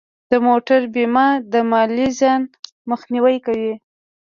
د موټر بیمه د مالي زیان مخنیوی کوي.